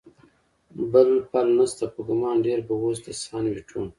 بل پل نشته، په ګمان ډېر به اوس د سان وېټو.